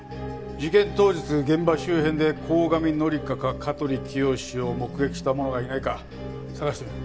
事件当日現場周辺で鴻上紀香か香取清を目撃した者がいないか捜してみる。